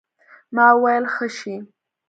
ما وويل ښه شى.